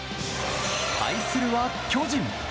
対するは巨人。